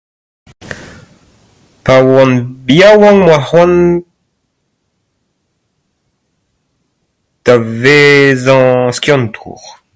Pa oan yaouank m'oa c'hoant [...] da vezañ skiantour.